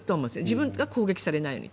自分が攻撃されないように。